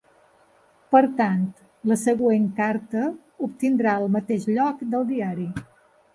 Per tant, la següent carta obtindrà el mateix lloc del diari.